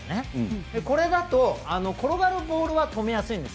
これだと転がるボールは止めやすいんです